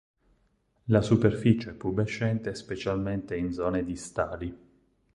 La superficie è pubescente specialmente in zone distali.